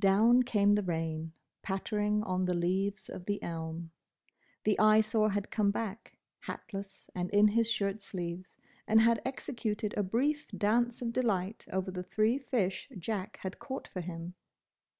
Down came the rain, pattering on the leaves of the elm. The Eyesore had come back, hatless and in his shirt sleeves, and had executed a brief dance of delight over the three fish Jack had caught for him.